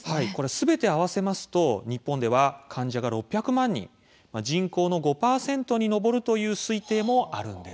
すべて合わせると日本では患者が６００万人、人口の５％に上るという意見もあるんです。